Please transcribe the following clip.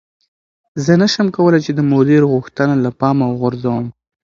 زه نشم کولی چې د مدیر غوښتنه له پامه وغورځوم.